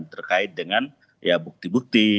terkait dengan ya bukti bukti